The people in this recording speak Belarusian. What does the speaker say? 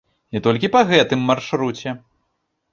І толькі па гэтым маршруце.